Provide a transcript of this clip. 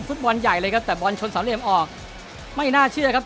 ฟุตบอลใหญ่เลยครับแต่บอลชนสามเหลี่ยมออกไม่น่าเชื่อครับ